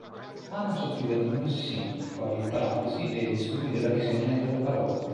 Anna soffriva di numerosi sintomi, quali paralisi e disturbi della visione e della parola.